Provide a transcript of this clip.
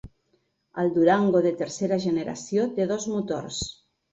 El Durango de tercera generació té dos motors.